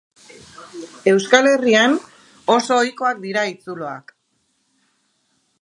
Euskal Herrian oso ohikoak dira haitzuloak.